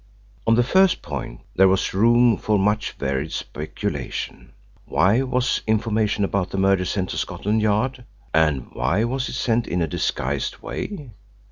On the first point there was room for much varied speculation. Why was information about the murder sent to Scotland Yard, and why was it sent in a disguised way?